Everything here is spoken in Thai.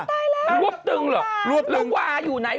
รวบตึงเหรอแล้ววาอยู่ไหน